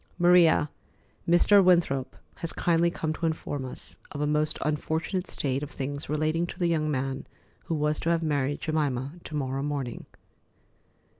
"Maria, Mr. Winthrop has kindly come to inform us of a most unfortunate state of things relating to the young man who was to have married Jemima to morrow morning."